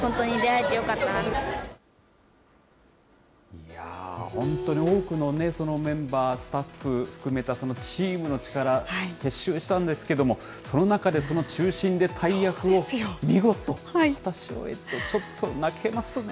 いやー、本当に多くのメンバー、スタッフ含めたそのチームの力、結集したんですけれども、その中で、その中心で大役を見事果たし終えて、ちょっと泣けますね。